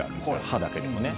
刃だけでもね。